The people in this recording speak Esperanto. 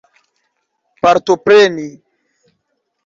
partopreni